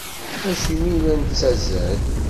Acimi i la nettazzal?